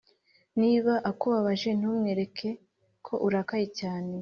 niba akubabaje ntumwereke ko urakaye cyane